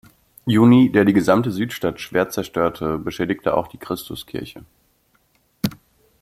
Juni, der die gesamte Südstadt schwer zerstörte, beschädigte auch die Christuskirche.